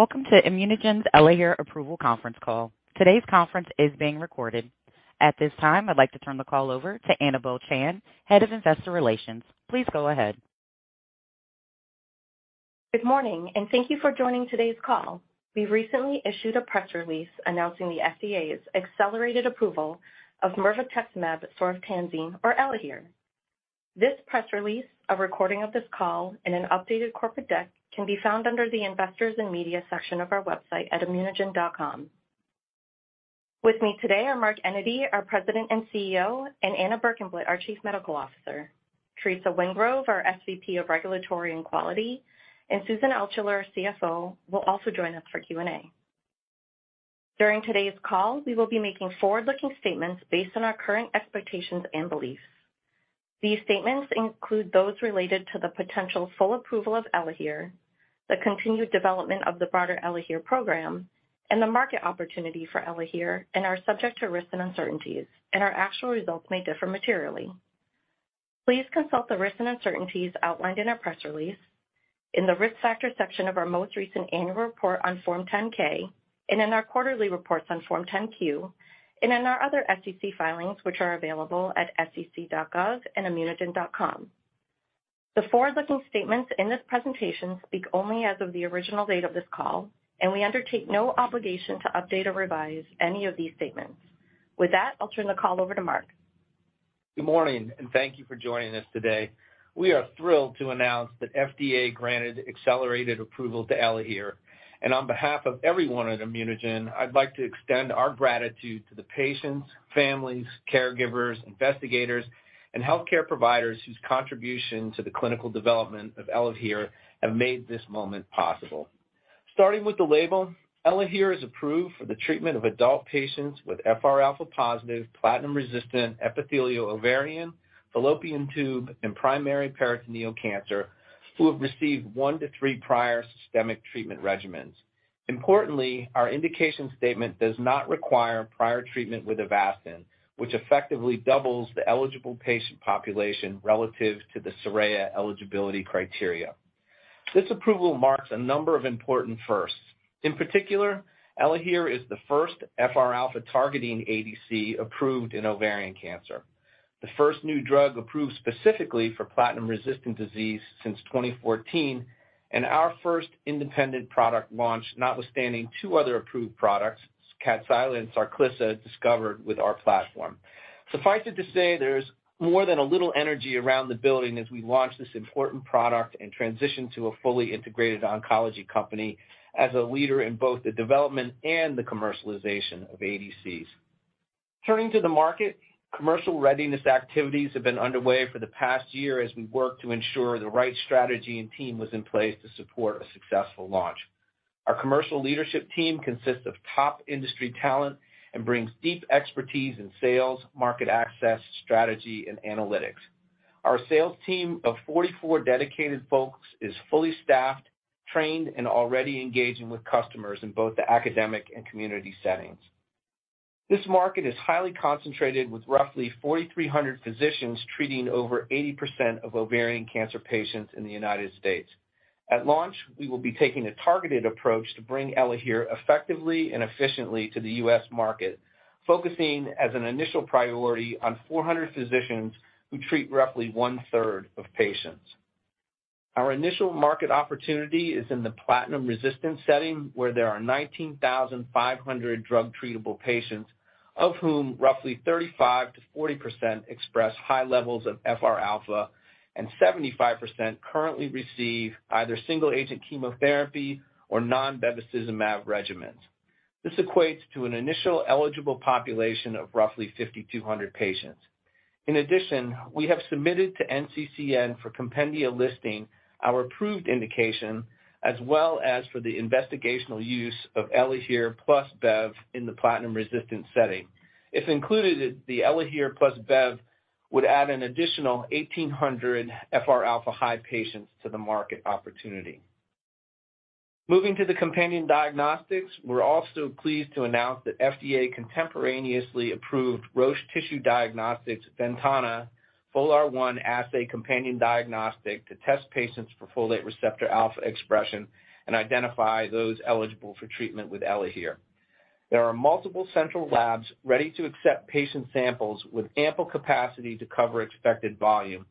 Welcome to ImmunoGen's ELAHERE approval conference call. Today's conference is being recorded. At this time, I'd like to turn the call over to Anabel Chan, Head of Investor Relations. Please go ahead. Good morning, and thank you for joining today's call. We recently issued a press release announcing the FDA's accelerated approval of mirvetuximab soravtansine-gynx or ELAHERE. This press release, a recording of this call, and an updated corporate deck can be found under the Investors and Media section of our website at immunogen.com. With me today are Mark Enyedy, our President and CEO, and Anna Berkenblit, our Chief Medical Officer. Theresa Wingrove, our SVP of Regulatory and Quality, and Susan Altschuller, our CFO, will also join us for Q&A. During today's call, we will be making forward-looking statements based on our current expectations and beliefs. These statements include those related to the potential full approval of ELAHERE, the continued development of the broader ELAHERE program, and the market opportunity for ELAHERE, and are subject to risks and uncertainties. Our actual results may differ materially. Please consult the risks and uncertainties outlined in our press release, in the Risk Factors section of our most recent annual report on Form 10-K, and in our quarterly reports on Form 10-Q, and in our other SEC filings, which are available at sec.gov and immunogen.com. The forward-looking statements in this presentation speak only as of the original date of this call, and we undertake no obligation to update or revise any of these statements. With that, I'll turn the call over to Mark. Good morning, and thank you for joining us today. We are thrilled to announce that FDA granted accelerated approval to ELAHERE. On behalf of everyone at ImmunoGen, I'd like to extend our gratitude to the patients, families, caregivers, investigators, and healthcare providers whose contribution to the clinical development of ELAHERE have made this moment possible. Starting with the label, ELAHERE is approved for the treatment of adult patients with FR alpha-positive platinum-resistant epithelial ovarian, fallopian tube, and primary peritoneal cancer who have received one to three prior systemic treatment regimens. Importantly, our indication statement does not require prior treatment with Avastin, which effectively doubles the eligible patient population relative to the SORAYA eligibility criteria. This approval marks a number of important firsts. In particular, ELAHERE is the first FRα-targeting ADC approved in ovarian cancer, the first new drug approved specifically for platinum-resistant disease since 2014, and our first independent product launch notwithstanding two other approved products, Kadcyla and Sarclisa, discovered with our platform. Suffice it to say there's more than a little energy around the building as we launch this important product and transition to a fully integrated oncology company as a leader in both the development and the commercialization of ADCs. Turning to the market, commercial readiness activities have been underway for the past year as we work to ensure the right strategy and team was in place to support a successful launch. Our commercial leadership team consists of top industry talent and brings deep expertise in sales, market access, strategy, and analytics. Our sales team of 44 dedicated folks is fully staffed, trained, and already engaging with customers in both the academic and community settings. This market is highly concentrated with roughly 4,300 physicians treating over 80% of ovarian cancer patients in the United States. At launch, we will be taking a targeted approach to bring ELAHERE effectively and efficiently to the U.S. market, focusing as an initial priority on 400 physicians who treat roughly 1/3 of patients. Our initial market opportunity is in the platinum-resistant setting, where there are 19,500 drug-treatable patients, of whom roughly 35%-40% express high levels of FRα and 75% currently receive either single-agent chemotherapy or non-bevacizumab regimens. This equates to an initial eligible population of roughly 5,200 patients. In addition, we have submitted to NCCN for compendia listing our approved indication as well as for the investigational use of ELAHERE plus Bev in the platinum-resistant setting. If included, the ELAHERE plus Bev would add an additional 1,800 FR alpha high patients to the market opportunity. Moving to the companion diagnostics, we're also pleased to announce that FDA contemporaneously approved Roche Tissue Diagnostics VENTANA FOLR1 (FOLR1-2.1) RxDx Assay to test patients for folate receptor alpha expression and identify those eligible for treatment with ELAHERE. There are multiple central labs ready to accept patient samples with ample capacity to cover expected volume.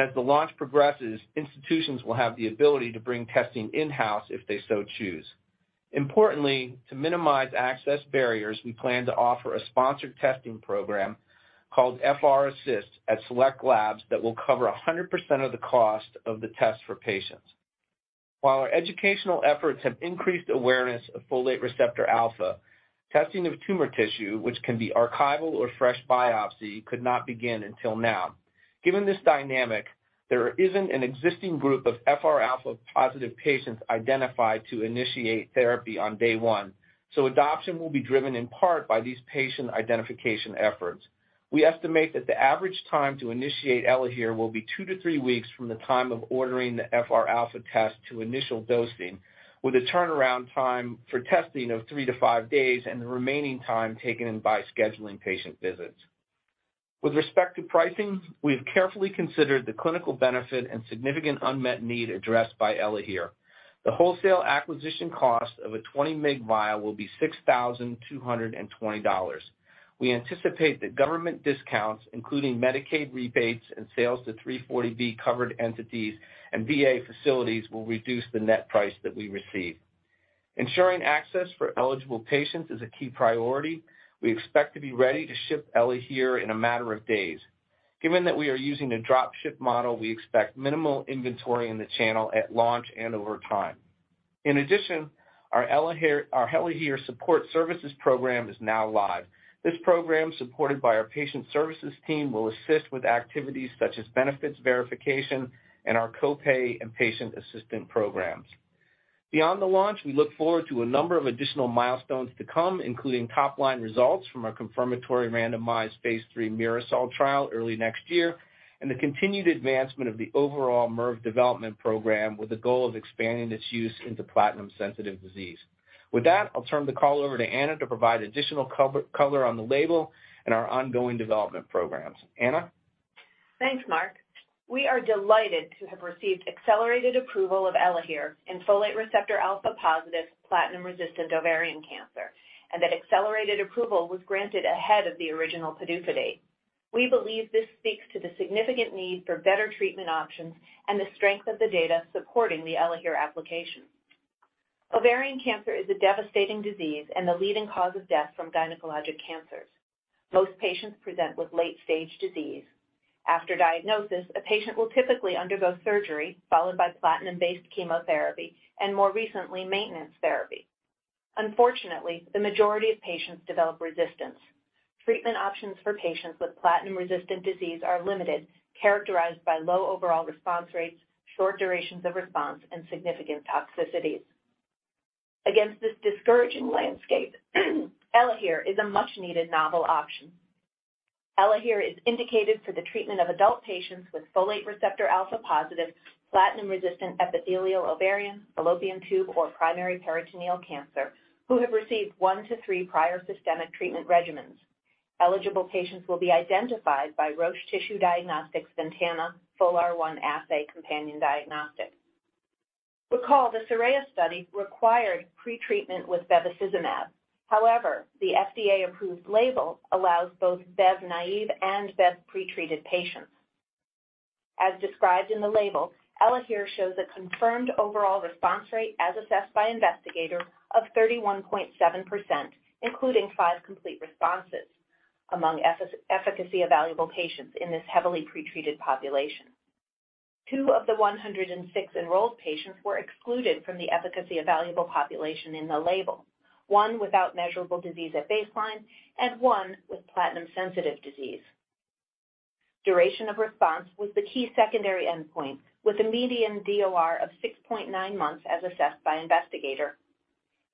As the launch progresses, institutions will have the ability to bring testing in-house if they so choose. Importantly, to minimize access barriers, we plan to offer a sponsored testing program called FR-ASSIST at select labs that will cover 100% of the cost of the test for patients. While our educational efforts have increased awareness of folate receptor alpha, testing of tumor tissue, which can be archival or fresh biopsy, could not begin until now. Given this dynamic, there isn't an existing group of FR alpha-positive patients identified to initiate therapy on day one, so adoption will be driven in part by these patient identification efforts. We estimate that the average time to initiate ELAHERE will be two to three weeks from the time of ordering the FRα test to initial dosing, with a turnaround time for testing of three to five days and the remaining time taken in by scheduling patient visits. With respect to pricing, we have carefully considered the clinical benefit and significant unmet need addressed by ELAHERE. The wholesale acquisition cost of a 20 mg vial will be $6,220. We anticipate that government discounts, including Medicaid rebates and sales to 340B covered entities and VA facilities, will reduce the net price that we receive. Ensuring access for eligible patients is a key priority. We expect to be ready to ship ELAHERE in a matter of days. Given that we are using a drop ship model, we expect minimal inventory in the channel at launch and over time. In addition, our ELAHERE support services program is now live. This program, supported by our patient services team, will assist with activities such as benefits verification and our co-pay and patient assistant programs. Beyond the launch, we look forward to a number of additional milestones to come, including top-line results from our confirmatory randomized phase III MIRASOL trial early next year and the continued advancement of the overall mirv development program with the goal of expanding its use into platinum-sensitive disease. With that, I'll turn the call over to Anna to provide additional cover on the label and our ongoing development programs. Anna? Thanks, Mark. We are delighted to have received accelerated approval of ELAHERE in folate receptor alpha-positive platinum-resistant ovarian cancer, and that accelerated approval was granted ahead of the original PDUFA date. We believe this speaks to the significant need for better treatment options and the strength of the data supporting the ELAHERE application. Ovarian cancer is a devastating disease and the leading cause of death from gynecologic cancers. Most patients present with late-stage disease. After diagnosis, a patient will typically undergo surgery followed by platinum-based chemotherapy and more recently, maintenance therapy. Unfortunately, the majority of patients develop resistance. Treatment options for patients with platinum-resistant disease are limited, characterized by low overall response rates, short durations of response, and significant toxicities. Against this discouraging landscape, ELAHERE is a much-needed novel option. ELAHERE is indicated for the treatment of adult patients with folate receptor alpha-positive platinum-resistant epithelial ovarian, fallopian tube, or primary peritoneal cancer who have received 1 to 3 prior systemic treatment regimens. Eligible patients will be identified by Roche Tissue Diagnostics VENTANA FOLR1 Assay companion diagnostic. Recall the SORAYA study required pretreatment with bevacizumab. However, the FDA-approved label allows both bev-naïve and bev-pretreated patients. As described in the label, ELAHERE shows a confirmed overall response rate as assessed by investigator of 31.7%, including five complete responses among efficacy evaluable patients in this heavily pretreated population. Two of the 106 enrolled patients were excluded from the efficacy evaluable population in the label. One without measurable disease at baseline and one with platinum-sensitive disease. Duration of response was the key secondary endpoint with a median DOR of 6.9 months as assessed by investigator.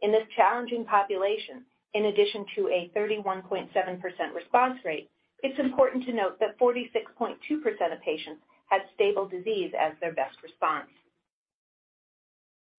In this challenging population, in addition to a 31.7% response rate, it's important to note that 46.2% of patients had stable disease as their best response.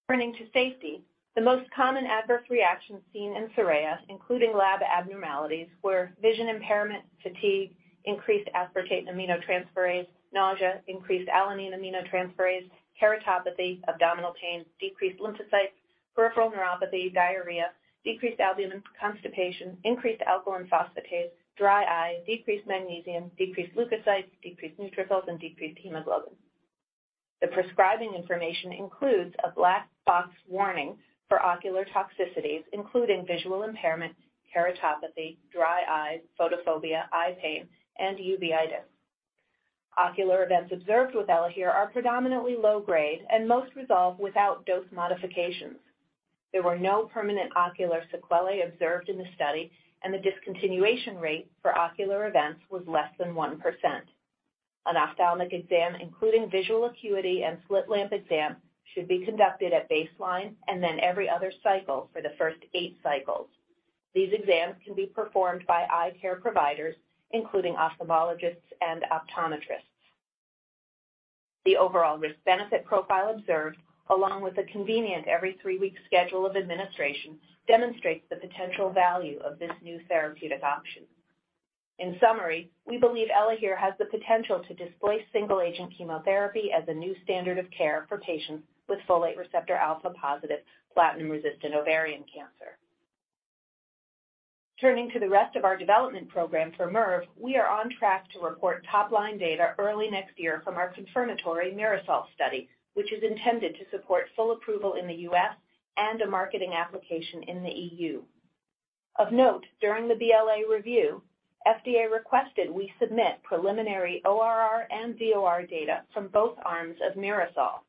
Turning to safety, the most common adverse reactions seen in SORAYA, including lab abnormalities, were vision impairment, fatigue, increased aspartate aminotransferase, nausea, increased alanine aminotransferase, keratopathy, abdominal pain, decreased lymphocytes, peripheral neuropathy, diarrhea, decreased albumin, constipation, increased alkaline phosphatase, dry eyes, decreased magnesium, decreased leukocytes, decreased neutrophils, and decreased hemoglobin. The prescribing information includes a black box warning for ocular toxicities, including visual impairment, keratopathy, dry eyes, photophobia, eye pain, and uveitis. Ocular events observed with ELAHERE are predominantly low grade and most resolve without dose modifications. There were no permanent ocular sequelae observed in the study, and the discontinuation rate for ocular events was less than 1%. An ophthalmic exam, including visual acuity and slit lamp exam should be conducted at baseline and then every other cycle for the first eight cycles. These exams can be performed by eye care providers, including ophthalmologists and optometrists. The overall risk-benefit profile observed along with a convenient every three-week schedule of administration demonstrates the potential value of this new therapeutic option. In summary, we believe ELAHERE has the potential to displace single-agent chemotherapy as a new standard of care for patients with folate receptor alpha-positive platinum-resistant ovarian cancer. Turning to the rest of our development program for mirv, we are on track to report top-line data early next year from our confirmatory MIRASOL study, which is intended to support full approval in the U.S. and a marketing application in the EU. Of note, during the BLA review, FDA requested we submit preliminary ORR and DOR data from both arms of MIRASOL.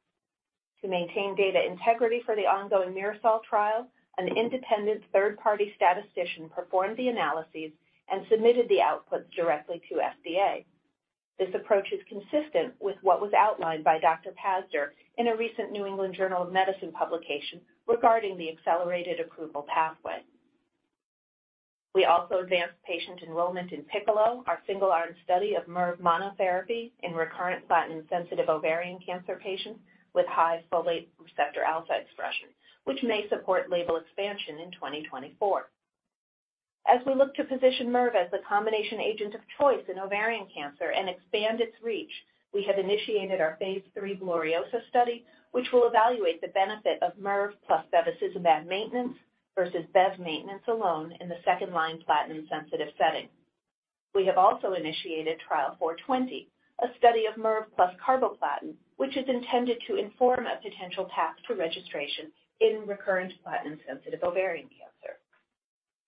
To maintain data integrity for the ongoing MIRASOL trial, an independent third-party statistician performed the analyses and submitted the outputs directly to FDA. This approach is consistent with what was outlined by Dr. Pazdur in a recent New England Journal of Medicine publication regarding the accelerated approval pathway. We also advanced patient enrollment in PICCOLO, our single-arm study of mirv monotherapy in recurrent platinum-sensitive ovarian cancer patients with high folate receptor alpha expression, which may support label expansion in 2024. As we look to position MIRV as the combination agent of choice in ovarian cancer and expand its reach, we have initiated our phase III GLORIOSA study, which will evaluate the benefit of MIRV plus bevacizumab maintenance versus bev maintenance alone in the second-line platinum sensitive setting. We have also initiated Trial 420, a study of MIRV plus carboplatin, which is intended to inform a potential path to registration in recurrent platinum-sensitive ovarian cancer.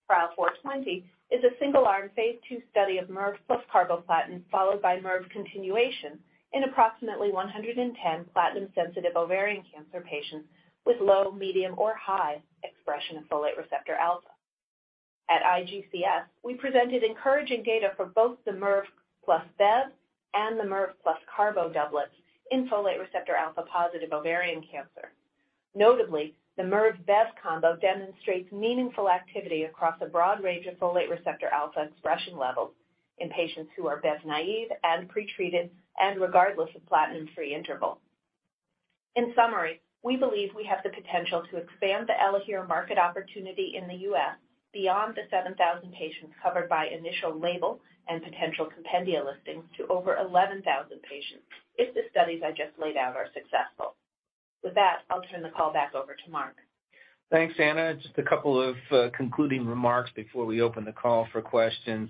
Trial 420 is a single-arm phase II study of MIRV plus carboplatin followed by MIRV continuation in approximately 110 platinum-sensitive ovarian cancer patients with low, medium, or high expression of folate receptor alpha. At IGCS, we presented encouraging data for both the MIRV plus bev and the MIRV plus carbo doublets in folate receptor alpha-positive ovarian cancer. Notably, the MIRV bev combo demonstrates meaningful activity across a broad range of folate receptor alpha expression levels in patients who are bev-naive and pretreated and regardless of platinum-free interval. In summary, we believe we have the potential to expand the ELAHERE market opportunity in the U.S. beyond the 7,000 patients covered by initial label and potential compendia listings to over 11,000 patients if the studies I just laid out are successful. With that, I'll turn the call back over to Mark. Thanks, Anna. Just a couple of concluding remarks before we open the call for questions.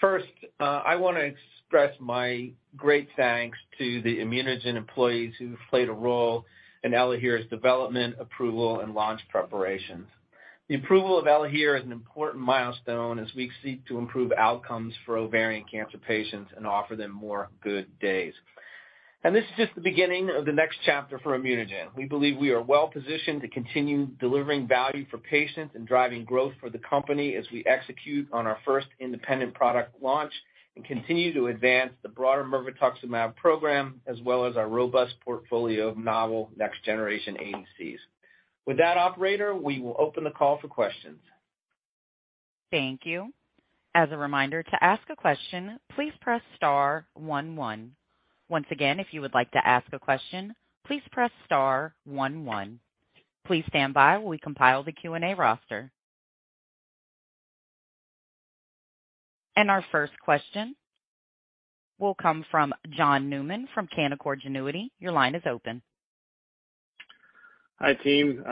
First, I wanna express my great thanks to the ImmunoGen employees who've played a role in ELAHERE's development, approval, and launch preparations. The approval of ELAHERE is an important milestone as we seek to improve outcomes for ovarian cancer patients and offer them more good days. This is just the beginning of the next chapter for ImmunoGen. We believe we are well-positioned to continue delivering value for patients and driving growth for the company as we execute on our first independent product launch and continue to advance the broader mirvetuximab program, as well as our robust portfolio of novel next generation ADCs. With that, operator, we will open the call for questions. Thank you. As a reminder, to ask a question, please press star one one. Once again, if you would like to ask a question, please press star one one. Please stand by while we compile the Q&A roster. Our first question will come from John Newman from Canaccord Genuity. Your line is open. Hi, team.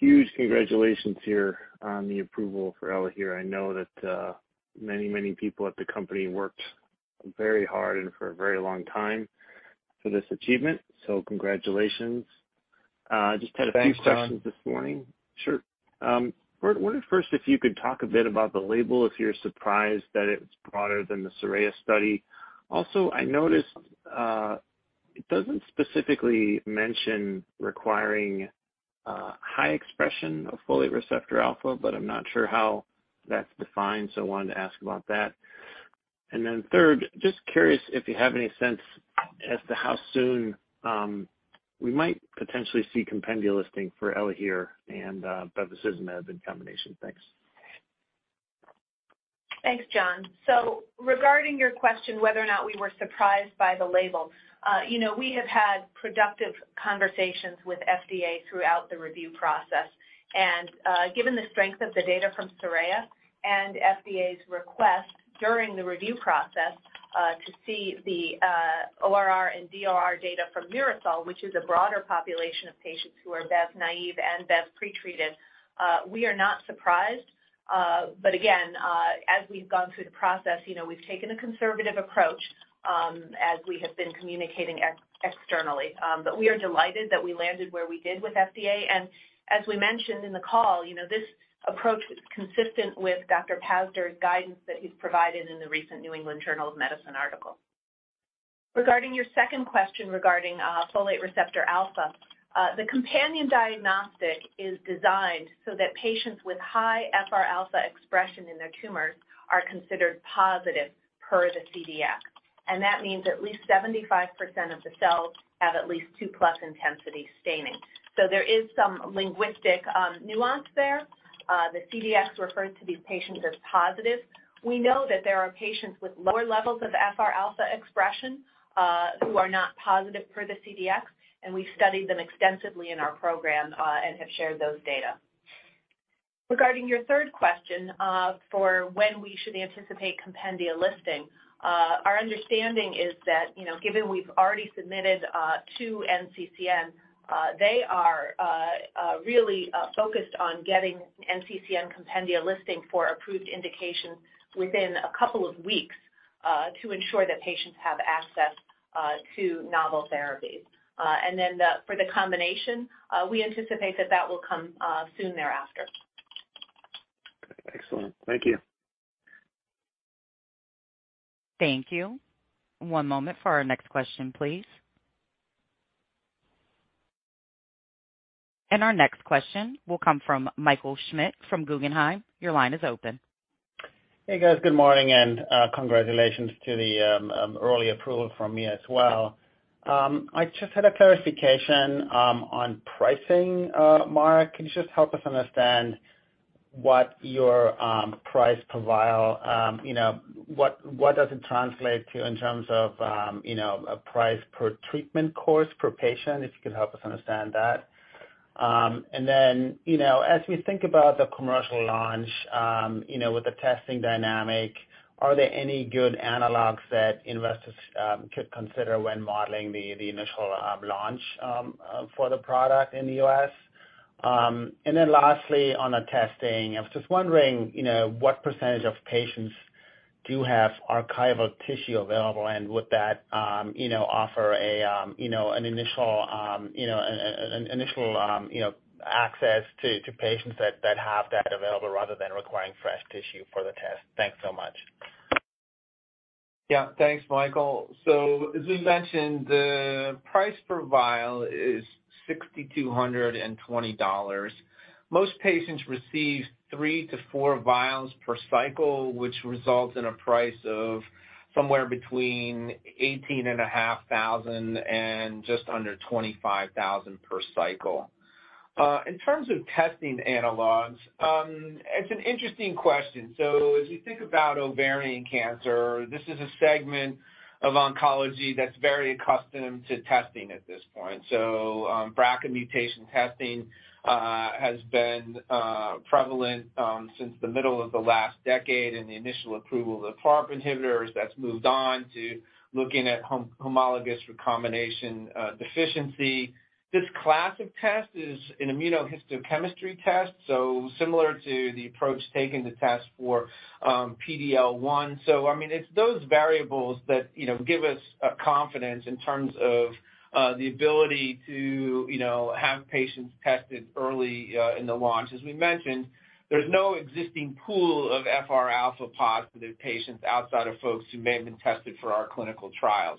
Huge congratulations here on the approval for ELAHERE. I know that many, many people at the company worked very hard and for a very long time for this achievement. Congratulations. Just had a few questions this morning. Thanks, John. Sure. Wondered first if you could talk a bit about the label if you're surprised that it's broader than the SORAYA study. Also, I noticed, it doesn't specifically mention requiring, high expression of folate receptor alpha, but I'm not sure how that's defined, so I wanted to ask about that. Third, just curious if you have any sense as to how soon, we might potentially see compendia listing for ELAHERE and, bevacizumab in combination. Thanks. Thanks, John. Regarding your question whether or not we were surprised by the label, you know, we have had productive conversations with FDA throughout the review process. Given the strength of the data from SORAYA and FDA's request during the review process, to see the ORR and DOR data from MIRASOL, which is a broader population of patients who are bev naive and bev pretreated, we are not surprised. Again, as we've gone through the process, you know, we've taken a conservative approach, as we have been communicating externally. We are delighted that we landed where we did with FDA. As we mentioned in the call, you know, this approach is consistent with Dr. Pazdur's guidance that he's provided in the recent New England Journal of Medicine article. Regarding your second question regarding folate receptor alpha, the companion diagnostic is designed so that patients with high FRα expression in their tumors are considered positive per the CDx, and that means at least 75% of the cells have at least 2+ intensity staining. There is some linguistic nuance there. The CDx refers to these patients as positive. We know that there are patients with lower levels of FRα expression who are not positive for the CDx, and we studied them extensively in our program and have shared those data. Regarding your third question, for when we should anticipate compendia listing, our understanding is that, you know, given we've already submitted to NCCN, they are really focused on getting NCCN compendia listing for approved indication within a couple of weeks to ensure that patients have access to novel therapies. For the combination, we anticipate that that will come soon thereafter. Okay. Excellent. Thank you. Thank you. One moment for our next question, please. Our next question will come from Michael Schmidt from Guggenheim. Your line is open. Hey, guys. Good morning and congratulations to the early approval from me as well. I just had a clarification on pricing, Mark. Can you just help us understand what your price per vial, you know, what does it translate to in terms of, you know, a price per treatment course per patient, if you could help us understand that? You know, as we think about the commercial launch, you know, with the testing dynamic, are there any good analogs that investors could consider when modeling the initial launch for the product in the U.S.? Lastly, on the testing, I was just wondering, you know, what percentage of patients do have archival tissue available, and would that, you know, offer a, you know, an initial, you know, access to patients that have that available rather than requiring fresh tissue for the test? Thanks so much. Yeah. Thanks, Michael. As we mentioned, the price per vial is $6,220. Most patients receive three to four vials per cycle, which results in a price of somewhere between $18,500 and just under $25,000 per cycle. In terms of testing analogs, it's an interesting question. As you think about ovarian cancer, this is a segment of oncology that's very accustomed to testing at this point. BRCA mutation testing has been prevalent since the middle of the last decade and the initial approval of the PARP inhibitors that's moved on to looking at homologous recombination deficiency. This class of test is an immunohistochemistry test, so similar to the approach taken to test for PD-L1. I mean, it's those variables that, you know, give us confidence in terms of the ability to, you know, have patients tested early in the launch. As we mentioned, there's no existing pool of FRα-positive patients outside of folks who may have been tested for our clinical trial.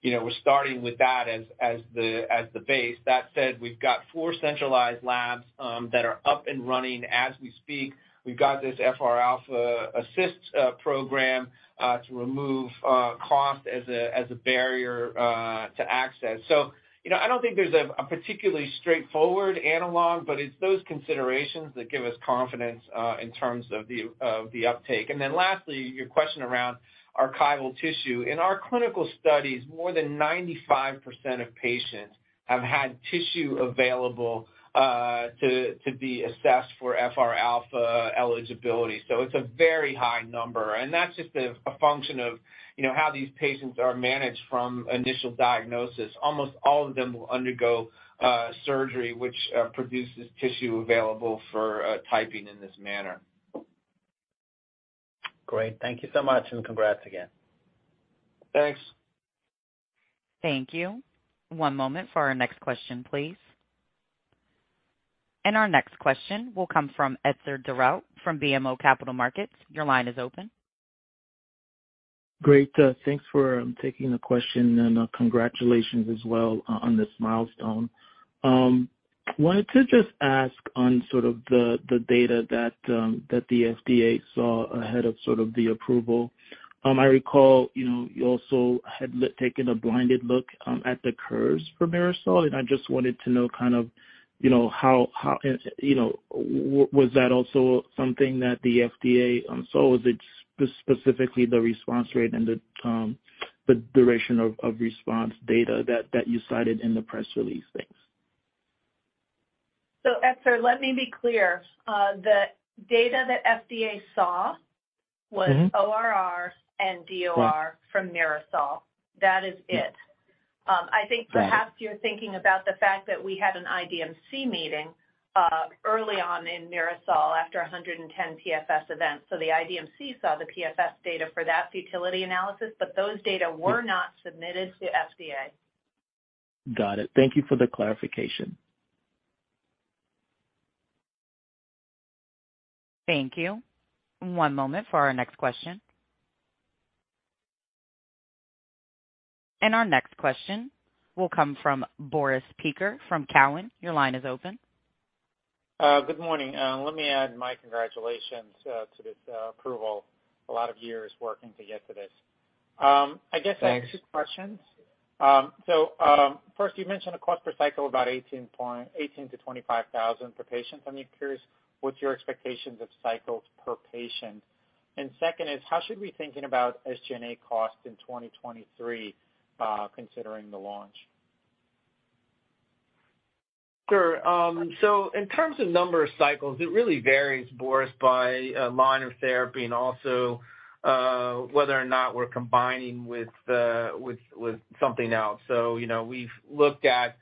You know, we're starting with that as the base. That said, we've got four centralized labs that are up and running as we speak. We've got this FR-ASSIST program to remove cost as a barrier to access. You know, I don't think there's a particularly straightforward analog, but it's those considerations that give us confidence in terms of the uptake. Then lastly, your question around archival tissue. In our clinical studies, more than 95% of patients have had tissue available to be assessed for FR alpha eligibility. It's a very high number, and that's just a function of, you know, how these patients are managed from initial diagnosis. Almost all of them will undergo surgery, which produces tissue available for typing in this manner. Great. Thank you so much, and congrats again. Thanks. Thank you. One moment for our next question, please. Our next question will come from Etzer Darout from BMO Capital Markets. Your line is open. Great. Thanks for taking the question, and congratulations as well on this milestone. Wanted to just ask on sort of the data that the FDA saw ahead of sort of the approval. I recall, you know, you also had taken a blinded look at the curves for MIRASOL, and I just wanted to know kind of, you know, how was that also something that the FDA saw? Or was it specifically the response rate and the duration of response data that you cited in the press release? Thanks. Etzer, let me be clear. The data that FDA saw. Mm-hmm. Was ORR and DOR. Right. From MIRASOL. That is it. I think. Right. Perhaps you're thinking about the fact that we had an IDMC meeting early on in MIRASOL after 110 PFS events. The IDMC saw the PFS data for that futility analysis, but those data were not submitted to FDA. Got it. Thank you for the clarification. Thank you. One moment for our next question. Our next question will come from Boris Peaker from Cowen. Your line is open. Good morning. Let me add my congratulations to this approval. A lot of years working to get to this. I guess- Thanks. I have two questions. First, you mentioned a cost per cycle about $18,000-$25,000 per patient. I'm curious what your expectations of cycles per patient. Second is, how should we be thinking about SG&A costs in 2023, considering the launch? Sure. In terms of number of cycles, it really varies, Boris, by line of therapy and also whether or not we're combining with something else. You know, we've looked at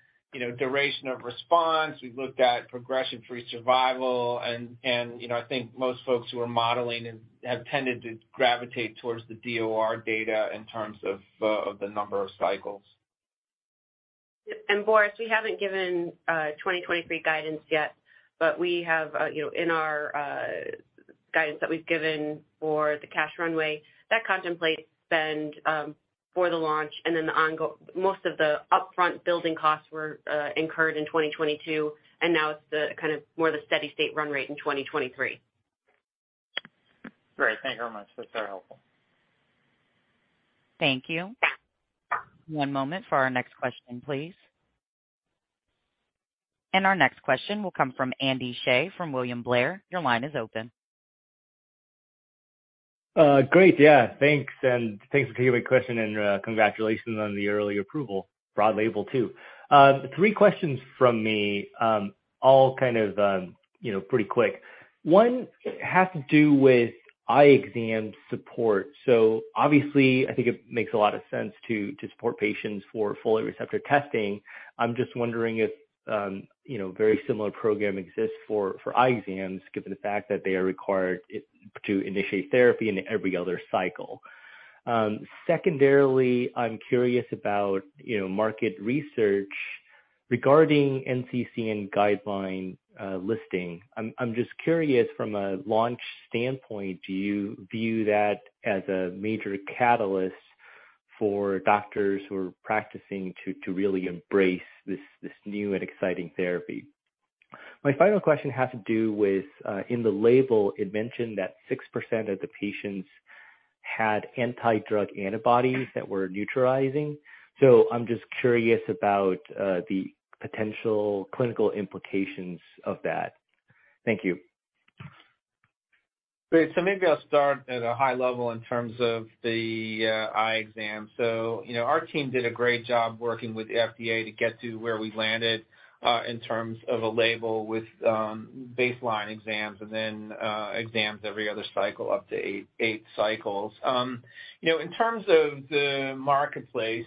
duration of response. We've looked at progression-free survival and you know, I think most folks who are modeling and have tended to gravitate towards the DOR data in terms of the number of cycles. Boris, we haven't given 2023 guidance yet, but we have, you know, in our guidance that we've given for the cash runway that contemplates spend for the launch. Most of the upfront building costs were incurred in 2022, and now it's the kind of more the steady state run rate in 2023. Great. Thank you very much. That's very helpful. Thank you. One moment for our next question, please. Our next question will come from Andy Hsieh from William Blair. Your line is open. Thanks, and thanks for taking my question, and congratulations on the early approval, broad label too. Three questions from me, all kind of, you know, pretty quick. One has to do with eye exam support. Obviously, I think it makes a lot of sense to support patients for folate receptor testing. I'm just wondering if, you know, very similar program exists for eye exams given the fact that they are required to initiate therapy in every other cycle. Secondarily, I'm curious about, you know, market research regarding NCCN guideline listing. I'm just curious from a launch standpoint, do you view that as a major catalyst for doctors who are practicing to really embrace this new and exciting therapy? My final question has to do with in the label it mentioned that 6% of the patients had anti-drug antibodies that were neutralizing. I'm just curious about the potential clinical implications of that. Thank you. Great. Maybe I'll start at a high level in terms of the eye exam. You know, our team did a great job working with the FDA to get to where we landed in terms of a label with baseline exams and then exams every other cycle up to eight cycles. You know, in terms of the marketplace,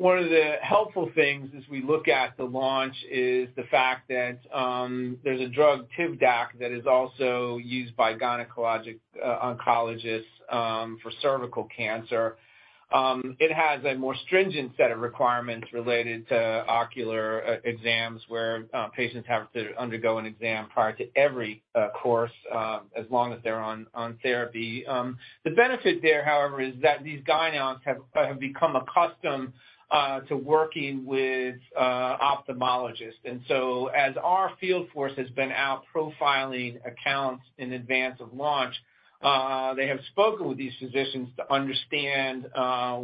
one of the helpful things as we look at the launch is the fact that there's a drug Tivdak that is also used by gynecologic oncologists for cervical cancer. It has a more stringent set of requirements related to ocular exams where patients have to undergo an exam prior to every course as long as they're on therapy. The benefit there, however, is that these gyn-oncs have become accustomed to working with ophthalmologists. As our field force has been out profiling accounts in advance of launch, they have spoken with these physicians to understand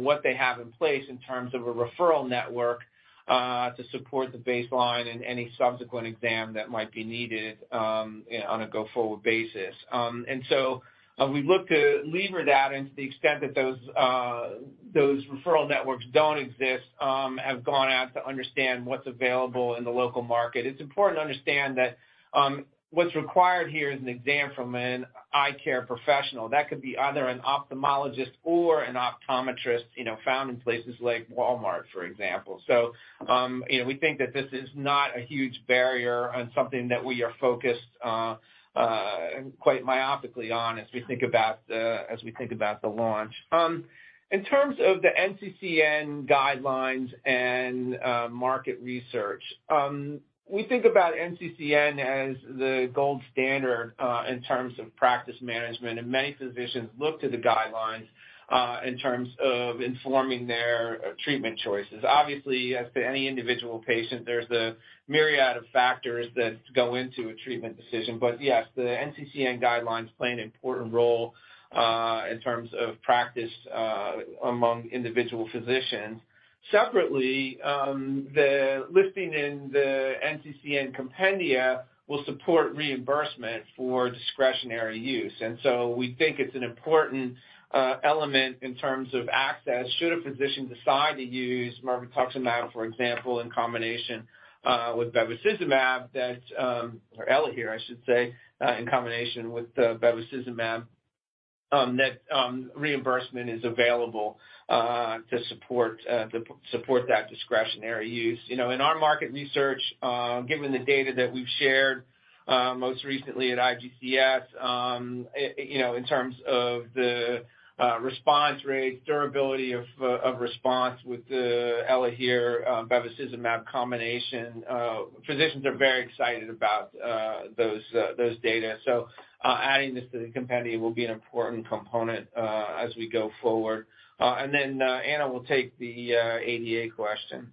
what they have in place in terms of a referral network to support the baseline and any subsequent exam that might be needed on a go-forward basis. We look to leverage that to the extent that those referral networks don't exist, have gone out to understand what's available in the local market. It's important to understand that what's required here is an exam from an eye care professional. That could be either an ophthalmologist or an optometrist, you know, found in places like Walmart, for example. You know, we think that this is not a huge barrier and something that we are focused quite myopically on as we think about the launch. In terms of the NCCN guidelines and market research, we think about NCCN as the gold standard in terms of practice management, and many physicians look to the guidelines in terms of informing their treatment choices. Obviously, as to any individual patient, there's a myriad of factors that go into a treatment decision. Yes, the NCCN guidelines play an important role in terms of practice among individual physicians. Separately, the listing in the NCCN compendia will support reimbursement for discretionary use. We think it's an important element in terms of access, should a physician decide to use mirvetuximab, for example, in combination with bevacizumab that, or ELAHERE, I should say, in combination with the bevacizumab, that reimbursement is available to support that discretionary use. You know, in our market research, given the data that we've shared most recently at IGCS, you know, in terms of the response rate, durability of response with the ELAHERE bevacizumab combination, physicians are very excited about those data. Adding this to the compendia will be an important component as we go forward. Anna will take the ADA question.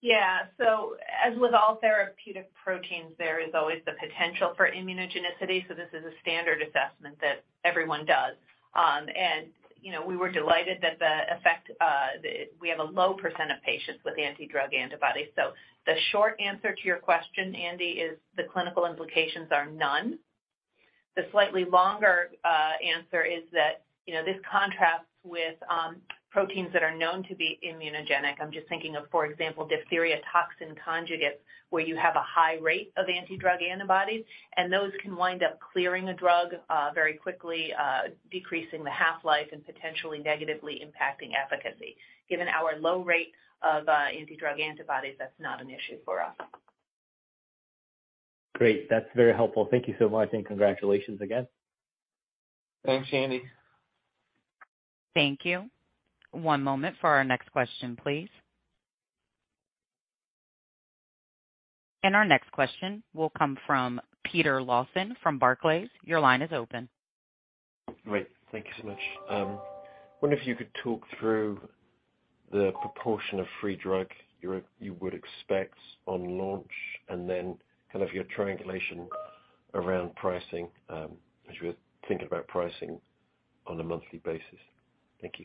Yeah. As with all therapeutic proteins, there is always the potential for immunogenicity. This is a standard assessment that everyone does. You know, we were delighted that we have a low percent of patients with anti-drug antibodies. The short answer to your question, Andy, is the clinical implications are none. The slightly longer answer is that, you know, this contrasts with proteins that are known to be immunogenic. I'm just thinking of, for example, diphtheria toxin conjugates, where you have a high rate of anti-drug antibodies, and those can wind up clearing a drug very quickly, decreasing the half-life and potentially negatively impacting efficacy. Given our low rate of anti-drug antibodies, that's not an issue for us. Great. That's very helpful. Thank you so much, and congratulations again. Thanks, Andy. Thank you. One moment for our next question, please. Our next question will come from Peter Lawson from Barclays. Your line is open. Great. Thank you so much. Wonder if you could talk through the proportion of free drug you would expect on launch and then kind of your triangulation around pricing, as you're thinking about pricing on a monthly basis. Thank you.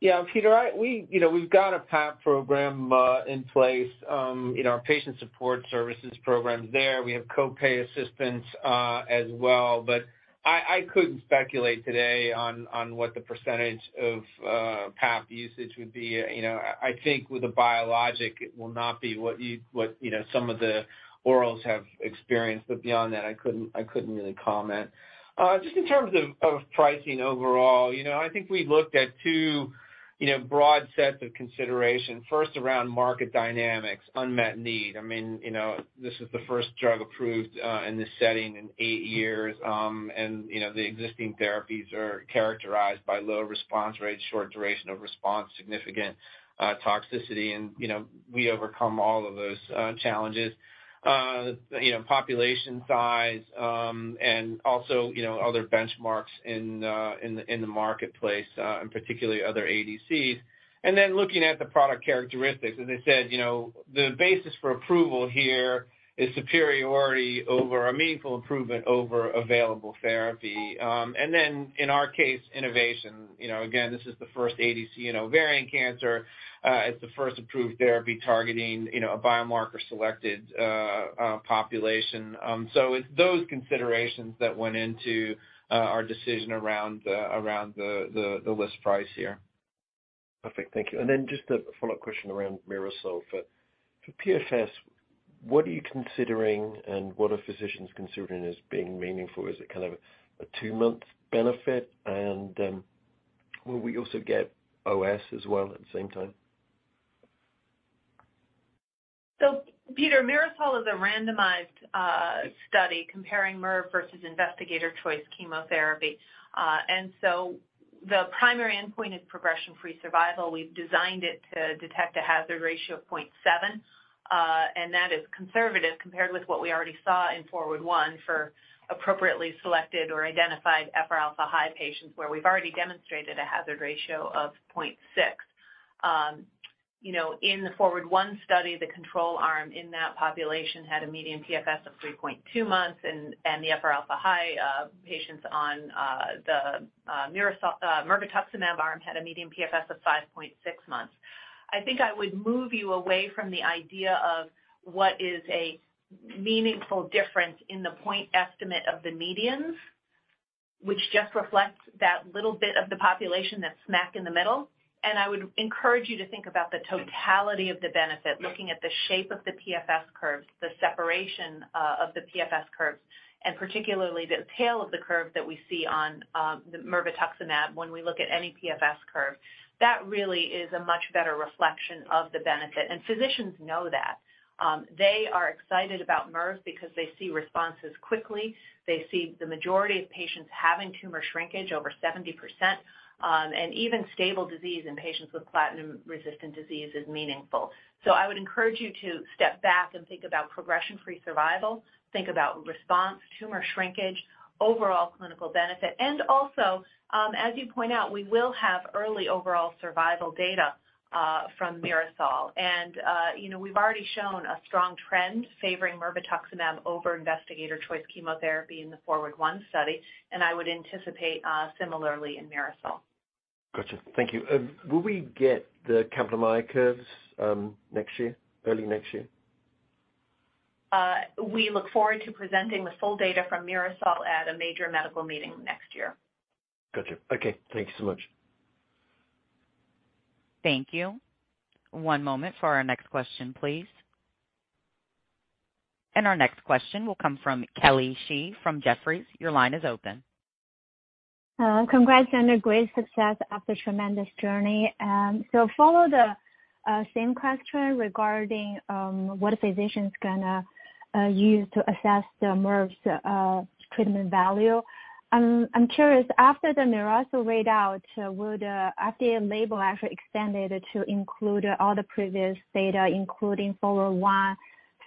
Yeah, Peter, we, you know, we've got a PAP program in place. You know, our patient support services program's there. We have co-pay assistance as well. I couldn't speculate today on what the percentage of PAP usage would be. You know, I think with the biologic, it will not be what, you know, some of the orals have experienced, but beyond that, I couldn't really comment. Just in terms of pricing overall, you know, I think we looked at two broad sets of consideration. First, around market dynamics, unmet need. I mean, you know, this is the first drug approved in this setting in eight years. You know, the existing therapies are characterized by low response rates, short duration of response, significant toxicity, and, you know, we overcome all of those challenges. You know, population size, and also, you know, other benchmarks in the marketplace, and particularly other ADCs. Looking at the product characteristics. As I said, you know, the basis for approval here is superiority over a meaningful improvement over available therapy. In our case, innovation. You know, again, this is the first ADC in ovarian cancer. It's the first approved therapy targeting, you know, a biomarker selected population. It's those considerations that went into our decision around the list price here. Perfect. Thank you. Just a follow-up question around MIRASOL. For PFS, what are you considering and what are physicians considering as being meaningful? Is it kind of a two-month benefit? Will we also get OS as well at the same time? Peter, MIRASOL is a randomized study comparing MIRVs versus investigator choice chemotherapy. The primary endpoint is progression-free survival. We've designed it to detect a hazard ratio of 0.7. That is conservative compared with what we already saw in FORWARD I for appropriately selected or identified FR alpha high patients, where we've already demonstrated a hazard ratio of 0.6. You know, in the FORWARD I study, the control arm in that population had a median PFS of 3.2 months and the FR alpha high patients on the mirvetuximab arm had a median PFS of 5.6 months. I think I would move you away from the idea of what is a meaningful difference in the point estimate of the medians, which just reflects that little bit of the population that's smack in the middle. I would encourage you to think about the totality of the benefit, looking at the shape of the PFS curves, the separation of the PFS curves, and particularly the tail of the curve that we see on the mirvetuximab when we look at any PFS curve. That really is a much better reflection of the benefit, and physicians know that. They are excited about MIRV because they see responses quickly. They see the majority of patients having tumor shrinkage over 70%, and even stable disease in patients with platinum-resistant disease is meaningful. I would encourage you to step back and think about progression-free survival, think about response, tumor shrinkage, overall clinical benefit. As you point out, we will have early overall survival data from MIRASOL. You know, we've already shown a strong trend favoring mirvetuximab over investigator choice chemotherapy in the FORWARD I study, and I would anticipate similarly in MIRASOL. Gotcha. Thank you. Will we get the complement curves next year, early next year? We look forward to presenting the full data from MIRASOL at a major medical meeting next year. Gotcha. Okay. Thank you so much. Thank you. One moment for our next question, please. Our next question will come from Kelly Shi from Jefferies. Your line is open. Congrats on a great success after tremendous journey. Follow the same question regarding what a physician's gonna use to assess the MIRV's treatment value. I'm curious, after the MIRASOL readout, would FDA label actually extended to include all the previous data, including FORWARD I,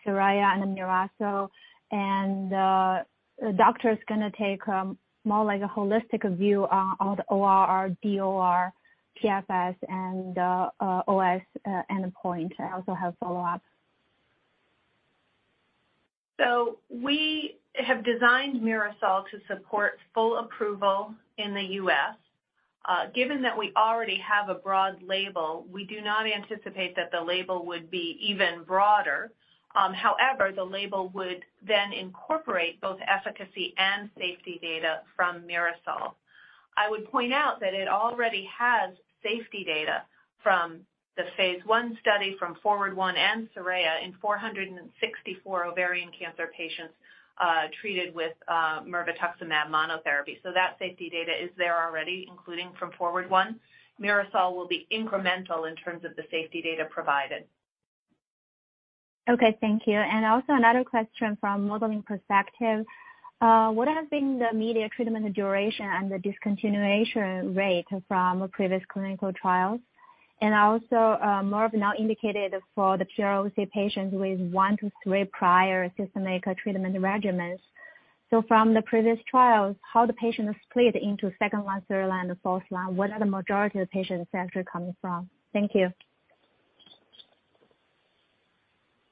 SORAYA and MIRASOL, and doctor's gonna take more like a holistic view on the ORR, DOR, PFS and OS endpoint? I also have follow-ups. We have designed MIRASOL to support full approval in the U.S.. Given that we already have a broad label, we do not anticipate that the label would be even broader. However, the label would then incorporate both efficacy and safety data from MIRASOL. I would point out that it already has safety data from the phase I study from FORWARD I and SORAYA in 464 ovarian cancer patients treated with mirvetuximab monotherapy. That safety data is there already, including from FORWARD I. MIRASOL will be incremental in terms of the safety data provided. Okay, thank you. Also another question from modeling perspective. What has been the median treatment duration and the discontinuation rate from previous clinical trials? Also, MIRV now indicated for the FRα OC patients with one-three prior systemic treatment regimens. From the previous trials, how patients are split into second line, third line, and fourth line, what are the majority of the patients actually coming from? Thank you.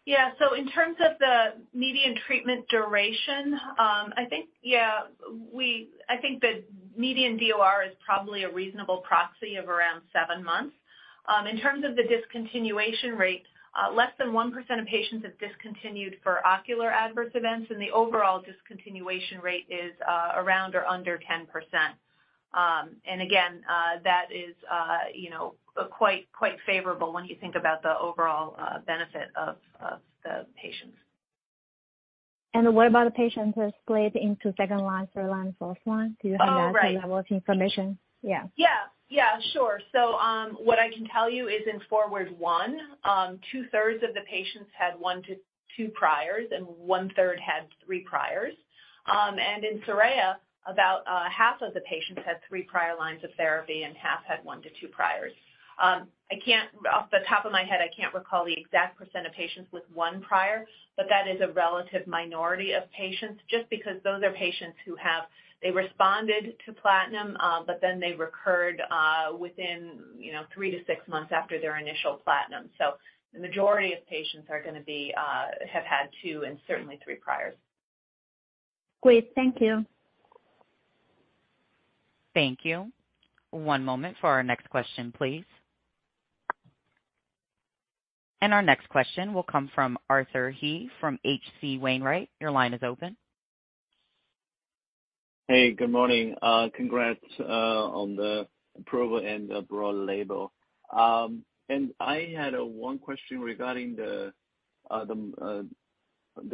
Yeah. In terms of the median treatment duration, I think the median DOR is probably a reasonable proxy of around seven months. In terms of the discontinuation rate, less than 1% of patients have discontinued for ocular adverse events, and the overall discontinuation rate is around or under 10%. Again, that is, you know, quite favorable when you think about the overall benefit of the patients. What about the patients who have slid into second line, third line, fourth line? Oh, right. Do you have that level of information? Yeah. Yeah, yeah, sure. What I can tell you is in FORWARD I, two-thirds of the patients had one to two priors and one-third had three priors. In SORAYA, about half of the patients had three prior lines of therapy and half had one to two priors. Off the top of my head, I can't recall the exact percent of patients with one prior, but that is a relative minority of patients, just because those are patients who have they responded to platinum, but then they recurred within, you know, three to six months after their initial platinum. The majority of patients are gonna be have had two and certainly three priors. Great. Thank you. Thank you. One moment for our next question, please. Our next question will come from Arthur He from H.C. Wainwright. Your line is open. Hey, good morning. Congrats on the approval and the broad label. I had one question regarding the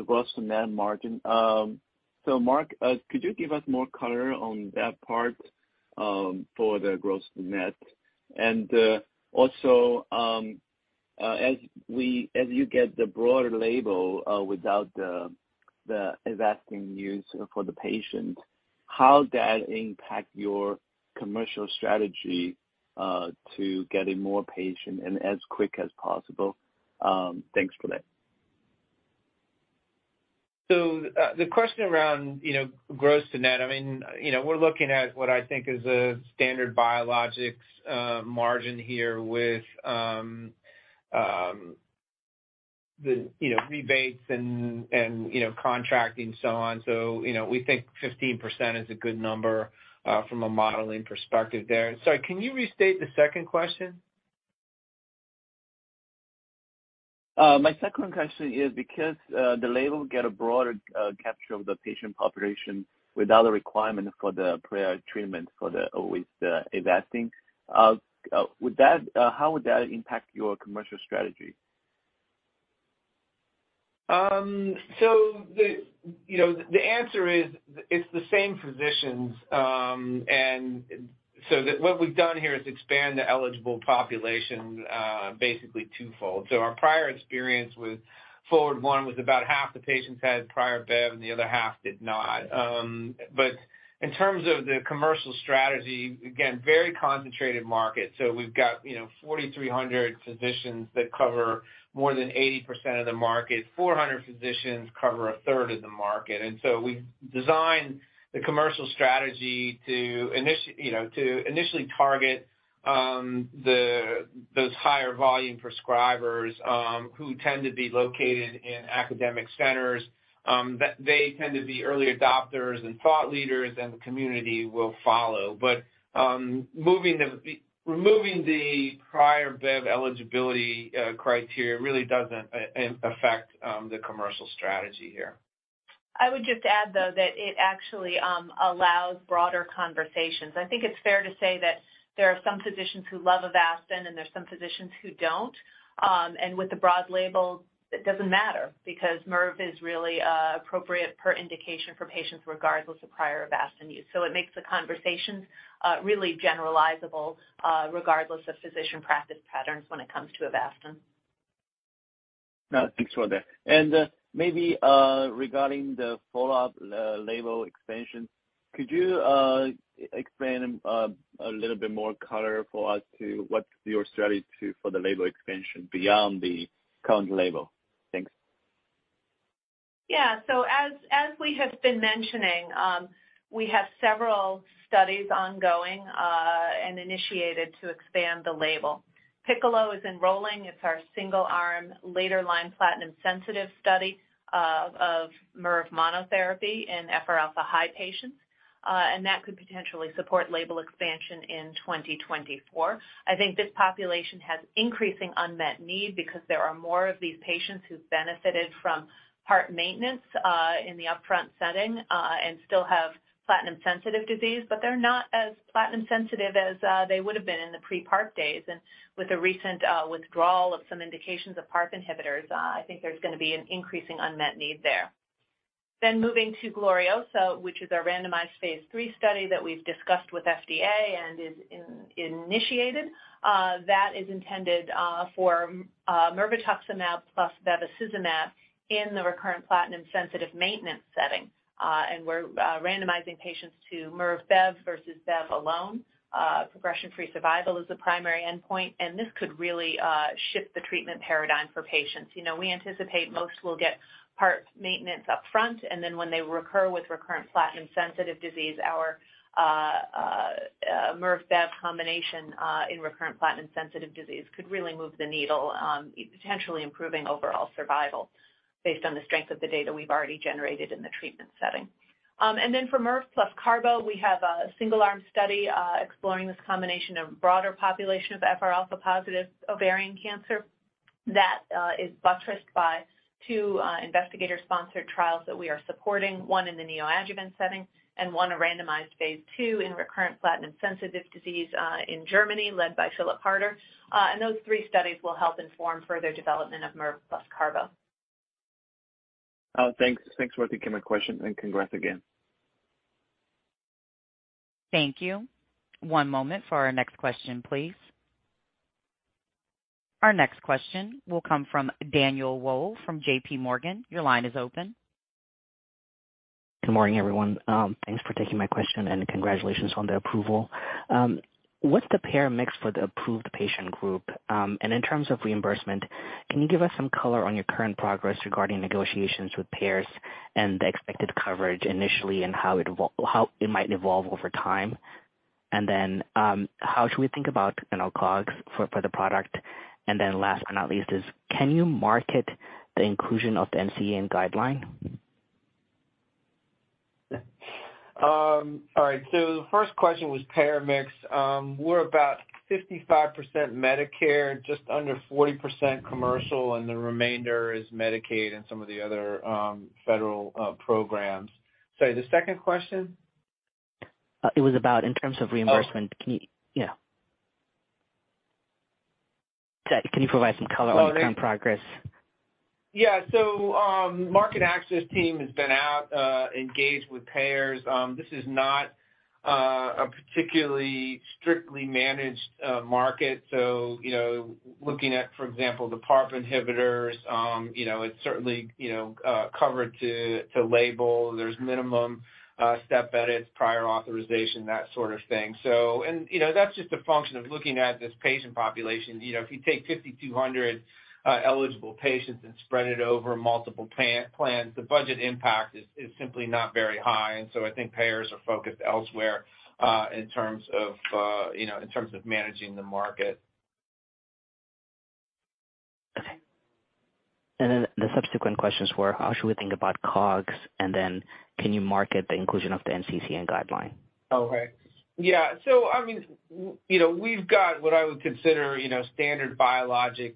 gross to net margin. So Mark, could you give us more color on that part for the gross to net? Also, as you get the broader label without the Avastin use for the patient, how that impact your commercial strategy to getting more patient and as quick as possible? Thanks for that. The question around, you know, gross to net, I mean, you know, we're looking at what I think is a standard biologics margin here with the, you know, rebates and you know, contracting so on. We think 15% is a good number from a modeling perspective there. Sorry, can you restate the second question? My second question is because the label gets a broader capture of the patient population without a requirement for the prior treatment for the Avastin would that how would that impact your commercial strategy? You know, the answer is it's the same physicians, and what we've done here is expand the eligible population, basically twofold. Our prior experience with FORWARD I was about half the patients had prior bev and the other half did not. But in terms of the commercial strategy, again, very concentrated market. We've got, you know, 4,300 physicians that cover more than 80% of the market. 400 physicians cover a third of the market. We've designed the commercial strategy to initially target those higher volume prescribers, who tend to be located in academic centers, that they tend to be early adopters and thought leaders, and the community will follow. Removing the prior bev eligibility criteria really doesn't affect the commercial strategy here. I would just add, though, that it actually allows broader conversations. I think it's fair to say that there are some physicians who love Avastin and there are some physicians who don't. With the broad label, it doesn't matter because mirvetuximab is really appropriate per indication for patients regardless of prior Avastin use. It makes the conversations really generalizable regardless of physician practice patterns when it comes to Avastin. Thanks for that. Maybe regarding the follow-up label expansion, could you explain a little bit more color for us on what's your strategy for the label expansion beyond the current label? Thanks. Yeah. As we have been mentioning, we have several studies ongoing and initiated to expand the label. PICCOLO is enrolling. It's our single-arm, later line platinum-sensitive study of mirvetuximab monotherapy in FR alpha high patients, and that could potentially support label expansion in 2024. I think this population has increasing unmet need because there are more of these patients who've benefited from PARP maintenance in the upfront setting and still have platinum-sensitive disease, but they're not as platinum-sensitive as they would have been in the pre-PARP days. With the recent withdrawal of some indications of PARP inhibitors, I think there's gonna be an increasing unmet need there. Moving to GLORIOSA, which is our randomized phase III study that we've discussed with FDA and is initiated that is intended for mirvetuximab plus bevacizumab in the recurrent platinum sensitive maintenance setting. We're randomizing patients to mirv-bev versus bev alone. Progression-free survival is the primary endpoint, and this could really shift the treatment paradigm for patients. You know, we anticipate most will get PARP maintenance upfront, and then when they recur with recurrent platinum sensitive disease, our mirv-bev combination in recurrent platinum-sensitive disease could really move the needle on potentially improving overall survival based on the strength of the data we've already generated in the treatment setting. For MIRV plus carbo, we have a single-arm study exploring this combination of broader population of FRα-positive ovarian cancer that is buttressed by two investigator-sponsored trials that we are supporting, one in the neoadjuvant setting and one a randomized phase two in recurrent platinum-sensitive disease in Germany, led by Philipp Harter. Those three studies will help inform further development of MIRV plus carbo. Oh, thanks. Thanks for taking my question, and congrats again. Thank you. One moment for our next question, please. Our next question will come from Daniel Wolle from JPMorgan. Your line is open. Good morning, everyone. Thanks for taking my question, and congratulations on the approval. What's the payer mix for the approved patient group? In terms of reimbursement, can you give us some color on your current progress regarding negotiations with payers and the expected coverage initially and how it might evolve over time? How should we think about, you know, COGS for the product? Last but not least, can you comment on the inclusion of the NCCN guideline? All right. The first question was payer mix. We're about 55% Medicare, just under 40% commercial, and the remainder is Medicaid and some of the other federal programs. Sorry, the second question? It was about in terms of reimbursement. Oh. Yeah. Can you provide some color? Oh, the. On the current progress? Yeah. Market access team has been out, engaged with payers. This is not a particularly strictly managed market. You know, looking at, for example, the PARP inhibitors, you know, it's certainly covered to label. There's minimum step edits, prior authorization, that sort of thing. That's just a function of looking at this patient population. You know, if you take 5,200 eligible patients and spread it over multiple PBM plans, the budget impact is simply not very high. I think payers are focused elsewhere in terms of managing the market. Okay. The subsequent questions were, how should we think about COGS, and then can you comment on the inclusion of the NCCN guideline? Okay. Yeah. I mean, you know, we've got what I would consider, you know, standard biologics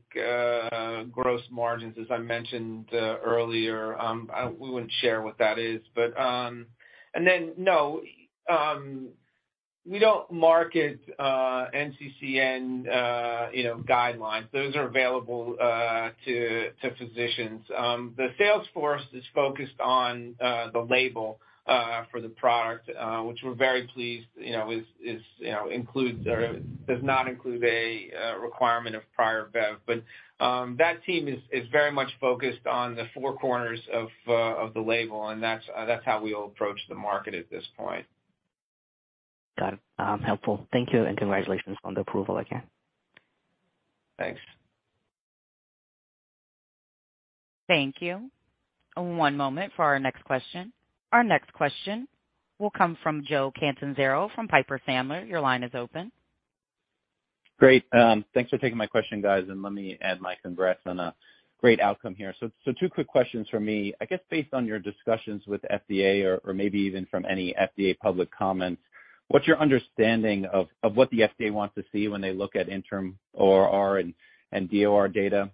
gross margins, as I mentioned, earlier. We wouldn't share what that is. We don't market NCCN, you know, guidelines. Those are available to physicians. The sales force is focused on the label for the product, which we're very pleased, you know, includes or does not include a requirement of prior bev. That team is very much focused on the four corners of the label, and that's how we'll approach the market at this point. Got it. Helpful. Thank you, and congratulations on the approval again. Thanks. Thank you. One moment for our next question. Our next question will come from Joseph Catanzaro from Piper Sandler. Your line is open. Great. Thanks for taking my question, guys, and let me add my congrats on a great outcome here. Two quick questions from me. I guess based on your discussions with FDA or maybe even from any FDA public comments, what's your understanding of what the FDA wants to see when they look at interim ORR and DOR data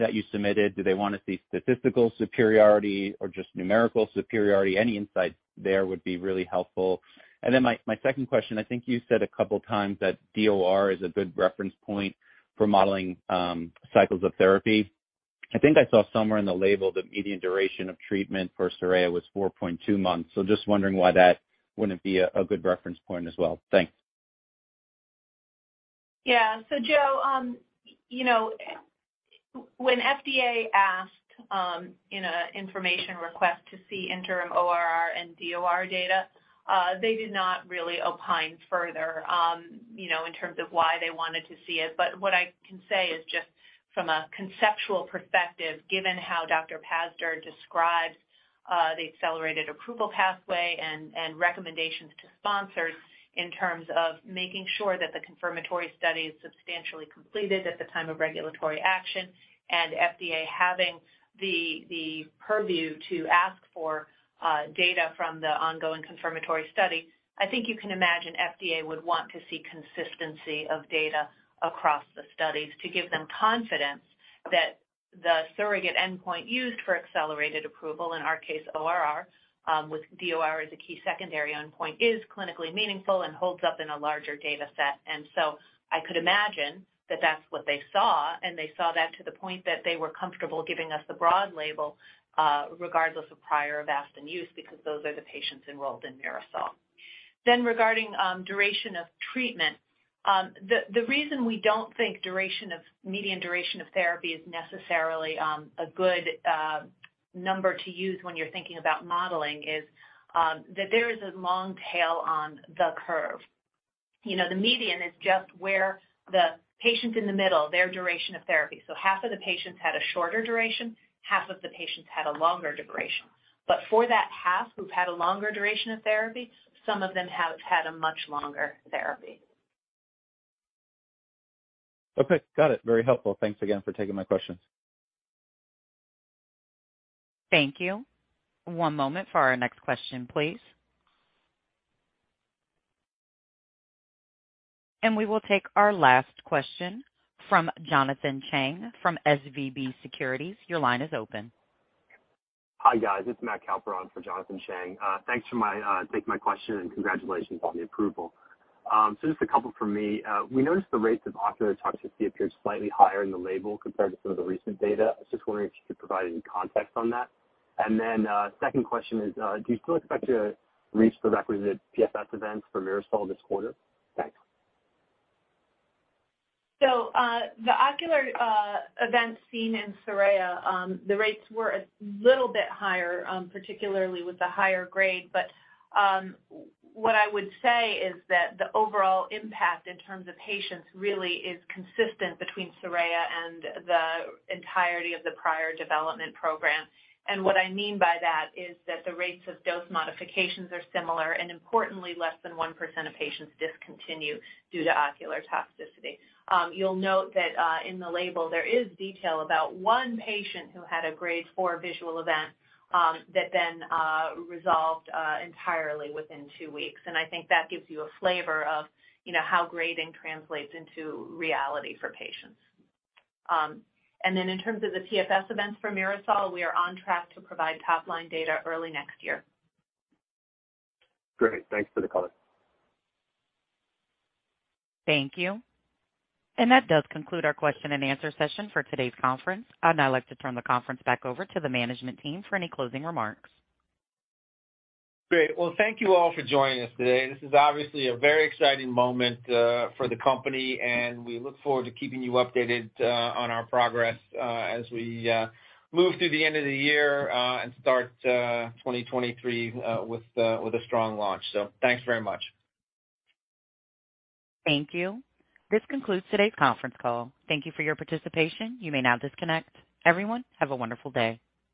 that you submitted? Do they wanna see statistical superiority or just numerical superiority? Any insight there would be really helpful. My second question, I think you said a couple times that DOR is a good reference point for modeling cycles of therapy. I think I saw somewhere in the label that median duration of treatment for SORAYA was 4.2 months. Just wondering why that wouldn't be a good reference point as well. Thanks. Yeah. Joe, when FDA asked in an information request to see interim ORR and DOR data, they did not really opine further in terms of why they wanted to see it. What I can say is just from a conceptual perspective, given how Richard Pazdur describes the accelerated approval pathway and recommendations to sponsors in terms of making sure that the confirmatory study is substantially completed at the time of regulatory action and FDA having the purview to ask for data from the ongoing confirmatory study, I think you can imagine FDA would want to see consistency of data across the studies to give them confidence that the surrogate endpoint used for accelerated approval, in our case ORR, with DOR as a key secondary endpoint, is clinically meaningful and holds up in a larger dataset. I could imagine that that's what they saw, and they saw that to the point that they were comfortable giving us the broad label, regardless of prior Avastin use, because those are the patients enrolled in MIRASOL. Regarding duration of treatment, the reason we don't think median duration of therapy is necessarily a good number to use when you're thinking about modeling is that there is a long tail on the curve. You know, the median is just where the patient in the middle, their duration of therapy. Half of the patients had a shorter duration, half of the patients had a longer duration. For that half who've had a longer duration of therapy, some of them have had a much longer therapy. Okay, got it. Very helpful. Thanks again for taking my questions. Thank you. One moment for our next question, please. We will take our last question from Jonathan Chang from SVB Securities. Your line is open. Hi, guys. It's Matt [Clark] on for Jonathan Chang. Thanks for taking my question, and congratulations on the approval. Just a couple from me. We noticed the rates of ocular toxicity appeared slightly higher in the label compared to some of the recent data. I was just wondering if you could provide any context on that. Second question is, do you still expect to reach the requisite PFS events for MIRASOL this quarter? Thanks. The ocular events seen in SORAYA, the rates were a little bit higher, particularly with the higher grade. What I would say is that the overall impact in terms of patients really is consistent between SORAYA and the entirety of the prior development program. What I mean by that is that the rates of dose modifications are similar and importantly less than 1% of patients discontinue due to ocular toxicity. You'll note that in the label, there is detail about one patient who had a grade 4 visual event that then resolved entirely within two weeks. I think that gives you a flavor of, you know, how grading translates into reality for patients. In terms of the PFS events for MIRASOL, we are on track to provide top-line data early next year. Great. Thanks for the color. Thank you. That does conclude our question-and-answer session for today's conference. I'd now like to turn the conference back over to the management team for any closing remarks. Great. Well, thank you all for joining us today. This is obviously a very exciting moment for the company, and we look forward to keeping you updated on our progress as we move through the end of the year and start 2023 with a strong launch. Thanks very much. Thank you. This concludes today's conference call. Thank you for your participation. You may now disconnect. Everyone, have a wonderful day.